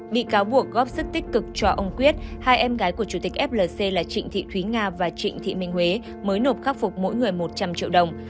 bị cáo buộc góp sức tích cực cho ông quyết hai em gái của chủ tịch flc là trịnh thị thúy nga và trịnh thị minh huế mới nộp khắc phục mỗi người một trăm linh triệu đồng